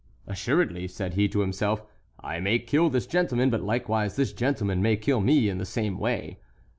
"Assuredly," said he to himself, "I may kill this gentleman, but likewise this gentleman may kill me in the same way."